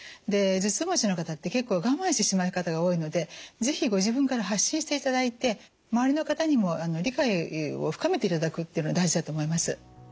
で頭痛持ちの方って結構我慢してしまう方が多いので是非ご自分から発信していただいて周りの方にも理解を深めていただくというのが大事だと思います。